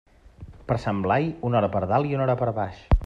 Per Sant Blai, una hora per dalt i una hora per baix.